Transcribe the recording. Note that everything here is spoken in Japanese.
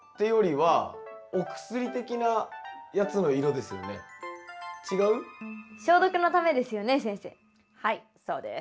はいそうです。